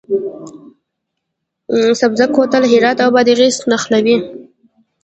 د سبزک کوتل هرات او بادغیس نښلوي